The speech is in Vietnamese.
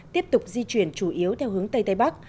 tiếp tục di chuyển chủ yếu theo hướng tây tây bắc